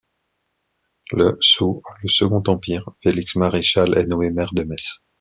Le sous le Second Empire, Félix Maréchal est nommé maire de Metz.